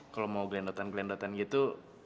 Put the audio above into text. kalau mau gendotan gelendotan gitu